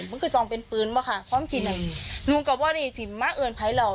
มันก็คือต้องเป็นปืนปะค่ะความคิดนั้นนูก็บอกว่าดีที่มะเอิญภัยเหล่า